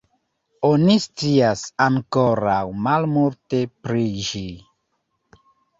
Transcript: Oni scias ankoraŭ malmulte pri ĝi.